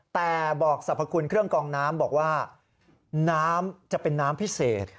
แต่บอกสรรพคุณเครื่องกองน้ำบอกว่าน้ำจะเป็นน้ำพิเศษ